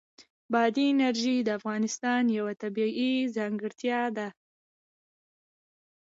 بادي انرژي د افغانستان یوه طبیعي ځانګړتیا ده.